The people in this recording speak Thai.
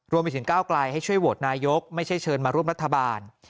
รวมไปถึงก้าวไกลให้ช่วยโหวตนายกไม่ใช่เชิญมาร่วมรัฐบาล